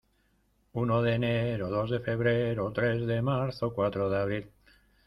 Uno de enero, dos de febrero, tres de marzo, cuatro de abril.